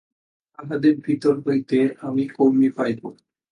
তাহাদের ভিতর হইতেই আমি কর্মী পাইব।